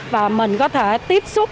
và mình có thể tiếp xúc